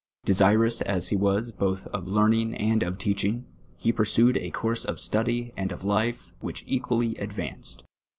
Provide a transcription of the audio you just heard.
Desirous as he was ])oth of leam ini; and of teaching:;, hv pursued a course of study and of life "which equally advanced.